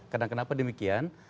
karena kenapa demikian